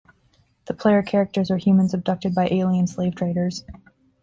The player characters are humans abducted by alien slave traders.